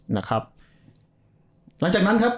นะครับหลังจากนั้นครับ